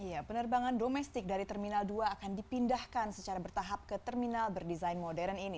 iya penerbangan domestik dari terminal dua akan dipindahkan secara bertahap ke terminal berdesain modern ini